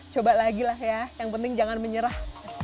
coba lagi lah ya yang penting jangan menyerah